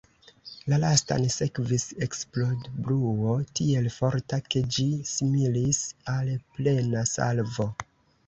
La lastan sekvis eksplodbruo tiel forta, ke ĝi similis al plena salvo.